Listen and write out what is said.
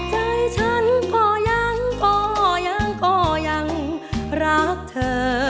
ใจฉันก็ยังก็ยังรักเธอ